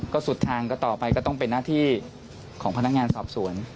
ก็สุดทางก็ต่อไปก็ต้องเป็นหน้าที่ของพนักงานสอบสวน